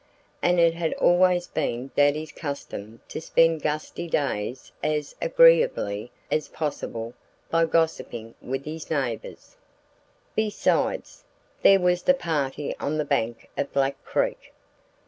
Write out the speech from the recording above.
And it had always been Daddy's custom to spend gusty days as agreeably as possible by gossiping with his neighbors. Besides, there was the party on the bank of Black Creek!